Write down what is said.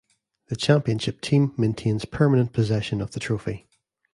The championship team maintains permanent possession of the trophy.